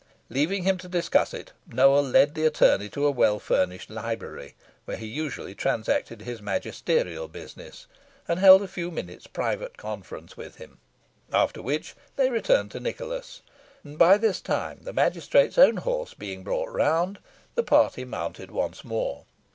Leaving him to discuss it, Nowell led the attorney to a well furnished library, where he usually transacted his magisterial business, and held a few minutes' private conference with him, after which they returned to Nicholas, and by this time the magistrate's own horse being brought round, the party mounted once more.